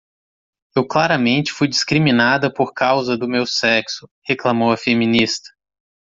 "Eu claramente fui discriminada por causa do meu sexo", reclamou a feminista.